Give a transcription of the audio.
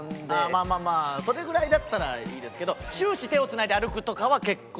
まあまあまあそれぐらいだったらいいですけど終始手をつないで歩くとかは結構。